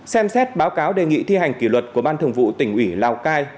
xem xét báo cáo đề nghị thi hành kỷ luật của ban thường vụ tỉnh ủy lào cai